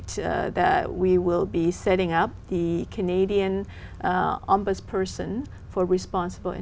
vậy chúng ta sẽ làm gì trong tương lai